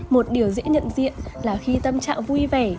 một điều dễ nhận diện là khi tâm trạng vui vẻ